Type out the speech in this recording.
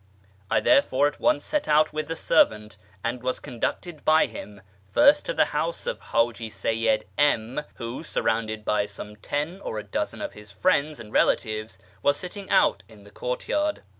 I therefore at once set out with the servant, and was conducted by him first to the house of Haji Seyyid M , who, surrounded by some ten or a dozen of his friends and relatives, was sitting out in the courtyard.